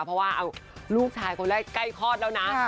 เพราะว่าลูกชายคนแรกใกล้คลอดแล้วนะ